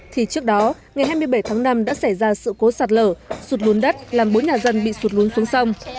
thì trước đó ngày hai mươi bảy tháng năm đã xảy ra sự cố sạt lở sụt lún đất làm bốn nhà dân bị sụt lún xuống sông